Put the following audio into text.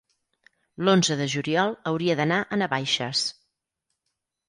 L'onze de juliol hauria d'anar a Navaixes.